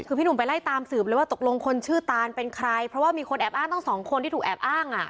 คือพี่หนุ่มไปไล่ตามสืบเลยว่าตกลงคนชื่อตานเป็นใครเพราะว่ามีคนแอบอ้างตั้งสองคนที่ถูกแอบอ้างอ่ะ